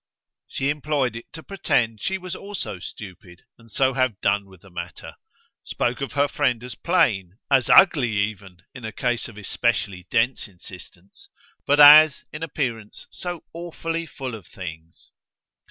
She employed it to pretend she was also stupid and so have done with the matter; spoke of her friend as plain, as ugly even, in a case of especially dense insistence; but as, in appearance, so "awfully full of things."